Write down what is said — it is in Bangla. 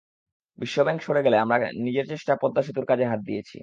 বিশ্বব্যাংক সরে গেলে আমরা নিজের চেষ্টায় পদ্মা সেতুর কাজে হাত দিয়েছি।